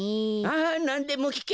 あなんでもきけ！